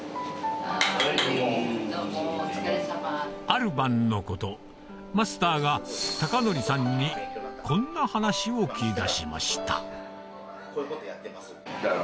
ある晩のことマスターが孝法さんにこんな話を切り出しました